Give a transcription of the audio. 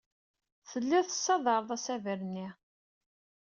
Tellid tessadared asaber-nni.